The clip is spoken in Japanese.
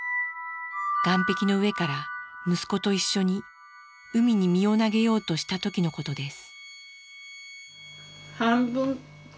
岸壁の上から息子と一緒に海に身を投げようとした時のことです。